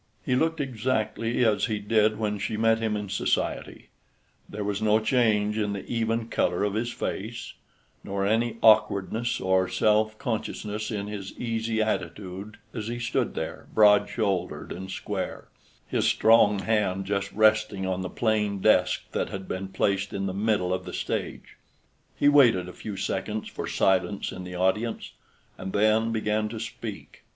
He looked exactly as he did when she met him in society; there was no change in the even color of his face, nor any awkwardness or self consciousness in his easy attitude as he stood there, broad shouldered and square, his strong hand just resting on the plain desk that had been placed in the middle of the stage. He waited a few seconds for silence in the audience, and then began to speak.